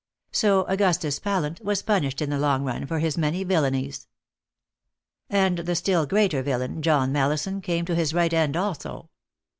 So Augustus Pallant was punished in the long run for his many villainies. And the still greater villain, John Mallison, came to his right end also.